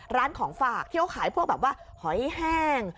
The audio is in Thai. ร้านของฝากที่เขาขายพวกแบบว่าหอยแห้ง